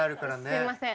すいません。